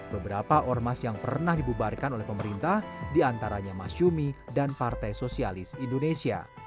beberapa ormas yang pernah dibubarkan oleh pemerintah diantaranya masyumi dan partai sosialis indonesia